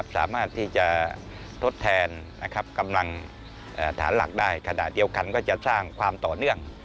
สามารถที่จะทดแทนกำลังฐานหลักได้ขณะเดียวกันก็จะสร้างความต่อเนื่อง